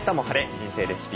人生レシピ」。